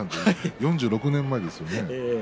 ４６年前ですよね。